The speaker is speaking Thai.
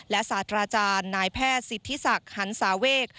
และศาสตราจารย์นายแพทย์สิทธิศักดิ์หันศาเวก